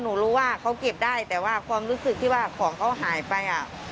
หนูรู้ว่าเขาเก็บได้แต่ว่าความรู้สึกที่ว่าของเขาหายไป